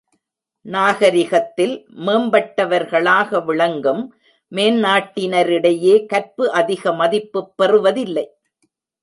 நாகரிகத்தில் மேம்பட்டவர்களாக விளங்கும் மேனாட்டினரிடையே, கற்பு அதிக மதிப்புப் பெறுவதில்லை.